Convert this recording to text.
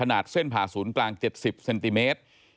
เส้นผ่าศูนย์กลาง๗๐เซนติเมตร